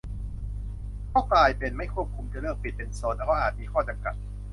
ก็กลายเป็นไม่ควบคุม จะเลือกปิดเป็นโซน ก็อาจมีข้อจำกัด